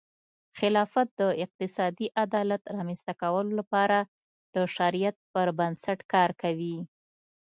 خلافت د اقتصادي عدالت رامنځته کولو لپاره د شریعت پر بنسټ کار کوي.